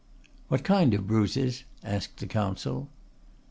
"What kind of bruises?" asked the counsel.